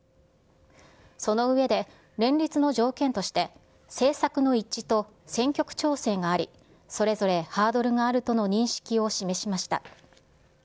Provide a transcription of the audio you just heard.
その上で、連立の条件として、政策の一致と選挙区調整があり、それぞれハードルがあるとの認識を示しました。